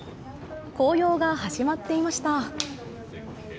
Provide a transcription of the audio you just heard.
紅葉が始まっていました。